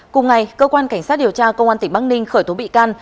cùng ngày cơ quan cảnh sát điều tra công an tỉnh bắc ninh khởi tố bị can